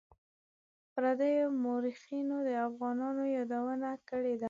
پردیو مورخینو د افغانانو یادونه کړې ده.